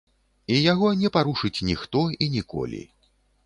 І яго не парушыць ніхто і ніколі.